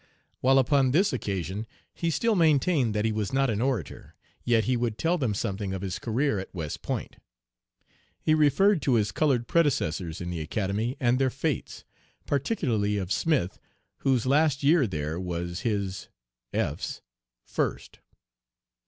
While upon this occasion he still maintained that lie was not an orator, yet he would tell them something of his career at West Point. He referred to his colored predecessors in the Academy and their fates, particularly of Smith, whose last year there was his (F.'s) first.